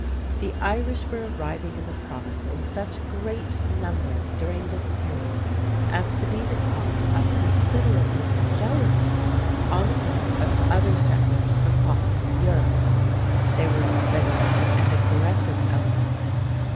The Irish were arriving in the Province in such great numbers during this period as to be the cause of considerable jealousy on the part of other settlers from continental Europe. They were a vigorous and aggressive element.